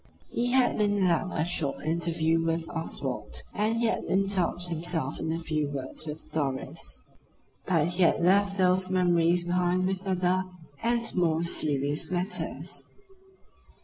He had been allowed a short interview with Oswald, and he had indulged himself in a few words with Doris. But he had left those memories behind with other and more serious matters.